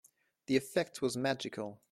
The effect was magical.